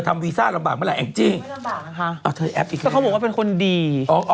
ไม่ลำบากหรอค่ะ